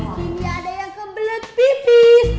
disini ada yang kebelet pipis